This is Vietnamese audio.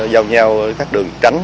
giao nhau các đường tránh